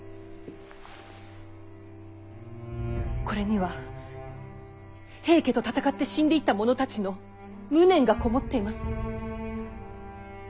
これには平家と戦って死んでいった者たちの無念が籠もっています。